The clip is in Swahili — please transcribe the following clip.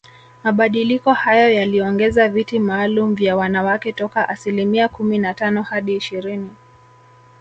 Mabadiliko hayo yaliongeza viti maalum vya wanawake toka asilimia kumi na tano hadi ishirini